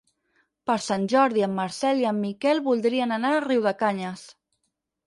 Per Sant Jordi en Marcel i en Miquel voldrien anar a Riudecanyes.